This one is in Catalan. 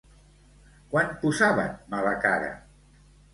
Quan posaven mala cara?